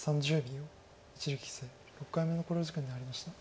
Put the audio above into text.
一力棋聖６回目の考慮時間に入りました。